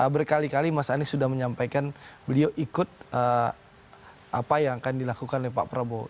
berkali kali mas anies sudah menyampaikan beliau ikut apa yang akan dilakukan oleh pak prabowo